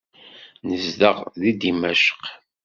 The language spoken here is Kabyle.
Nezdeɣ deg Dimecq.